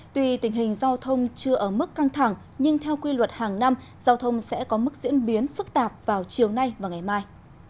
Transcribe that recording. tuy tình hình giao thông chưa ở mức căng thẳng nhưng theo quy luật hàng năm giao thông sẽ có mức diễn biến phức tạp vào chiều nay và ngày mai